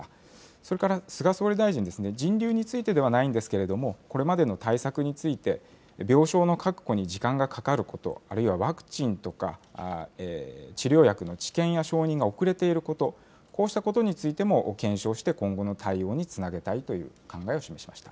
それから菅総理大臣、人流についてではないんですけれども、これまでの対策について、病床の確保に時間がかかること、あるいはワクチンとか、治療薬の治験や承認が遅れていること、こうしたことについても検証して今後の対応につなげたいという考えを示しました。